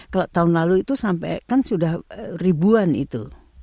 kalau tahun lalu itu sampai kan sudah ribuan itu